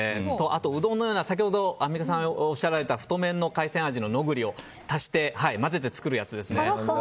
あとうどんのような先ほどアンミカさんがおっしゃられた太麺の海鮮味のノグリを足して混ぜて作るやつですね。